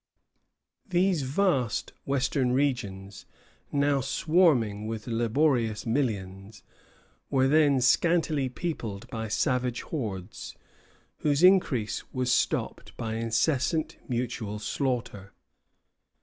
These vast western regions, now swarming with laborious millions, were then scantily peopled by savage hordes, whose increase was stopped by incessant mutual slaughter.